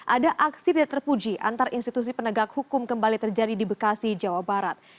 ada aksi tidak terpuji antar institusi penegak hukum kembali terjadi di bekasi jawa barat